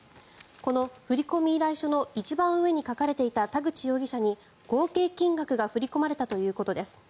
この振込依頼書の一番上に書かれていた田口容疑者に合計金額が振り込まれたということです。